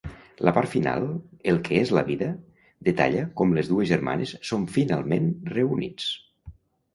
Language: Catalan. La part final, "el que és la vida", detalla com les dues germanes són finalment reunits.